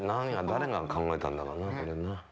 誰が考えたんだろうなこれな。